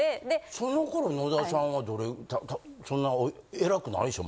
そのころ野田さんはどれそんな偉くないでしょ？